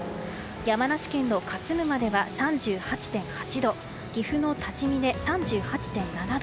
山梨県の勝沼では３８．８度岐阜の多治見で３８．７度。